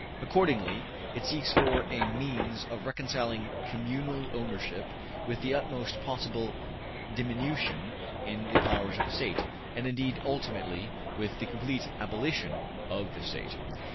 Accordingly, it seeks for a means of reconciling communal ownership with the utmost possible diminution in the powers of the State, and indeed ultimately with the complete abolition of the State.